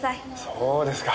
そうですか。